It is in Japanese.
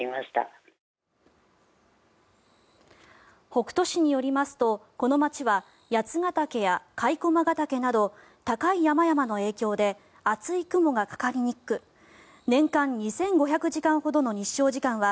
北杜市によりますとこの町は八ケ岳や甲斐駒ヶ岳など高い山々の影響で厚い雲がかかりにくく年間２５００時間ほどの日照時間は